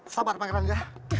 sabar pangeran ya